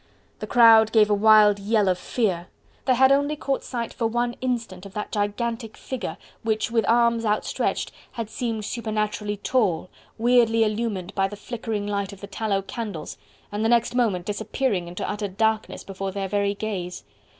The crowd gave a wild yell of fear: they had only caught sight for one instant of that gigantic figure which, with arms outstretched had seemed supernaturally tall weirdly illumined by the flickering light of the tallow candles and the next moment disappearing into utter darkness before their very gaze.